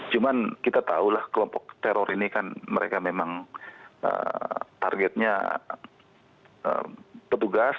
cuman kita tahulah kelompok teror ini kan mereka memang targetnya petugas